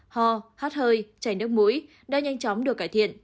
ho hát hơi chảy nước mũi đã nhanh chóng được cải thiện